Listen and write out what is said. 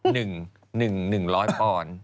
หนึ่งหนึ่งร้อยปอนด์